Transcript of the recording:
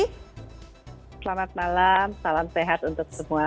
selamat malam salam sehat untuk semua